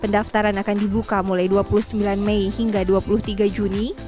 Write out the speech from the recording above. pendaftaran akan dibuka mulai dua puluh sembilan mei hingga dua puluh tiga juni